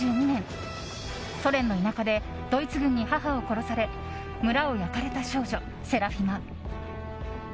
ソ連の田舎でドイツ軍に母を殺され村を焼かれた少女、セラフィマ。